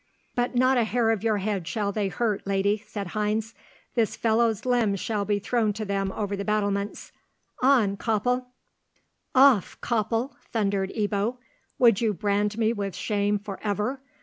"But not a hair of your head shall they hurt, lady," said Heinz. "This fellow's limbs shall be thrown to them over the battlements. On, Koppel!" "Off, Koppel!" thundered Ebbo. "Would you brand me with shame for ever?